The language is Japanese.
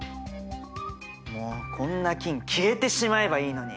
もうこんな菌消えてしまえばいいのに！